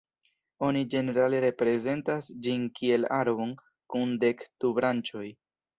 Oni ĝenerale reprezentas ĝin kiel arbon kun dek du branĉoj.